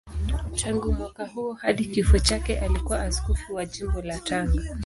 Tangu mwaka huo hadi kifo chake alikuwa askofu wa Jimbo la Tanga.